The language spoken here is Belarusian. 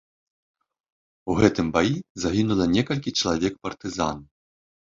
У гэтым баі загінула некалькі чалавек партызан.